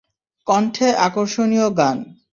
কণ্ঠে আকর্ষণীয় গান।